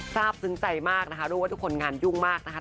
ทราบซึ้งใจมากนะคะรู้ว่าทุกคนงานยุ่งมากนะคะ